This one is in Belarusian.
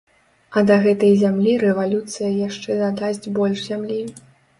А да гэтай зямлі рэвалюцыя яшчэ дадасць больш зямлі.